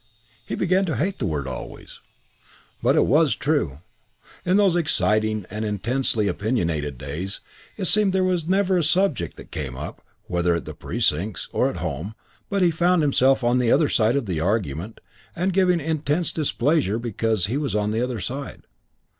He began to hate the word "always." But it was true. In those exciting and intensely opinionated days it seemed there was never a subject that came up, whether at The Precincts or at home, but he found himself on the other side of the argument and giving intense displeasure because he was on the other side.